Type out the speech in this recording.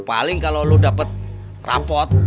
paling kalau lu dapet rapot